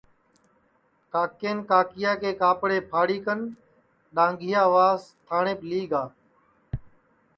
کاکین کاکِیا کے کاپڑے پھاڑی کن ڈؔاھنٚگِیا واس تھاٹؔینٚپ لی گِیا